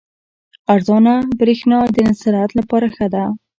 ارزانه بریښنا د صنعت لپاره ښه ده.